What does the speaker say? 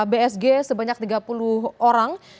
bsg sebanyak tiga puluh orang